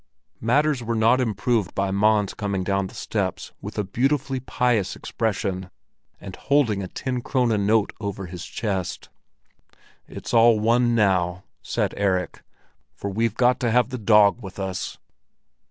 Matters were not improved by Mons coming down the steps with a beautifully pious expression, and holding a ten krone note over his chest. "It's all one now," said Erik; "for we've got to have the dog with us!"